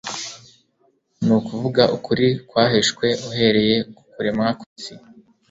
ni ukuvuga ukuri kwahishwe, uhereye ku kuremwa kw'isi,